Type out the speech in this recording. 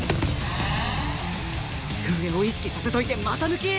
上を意識させといて股抜き！？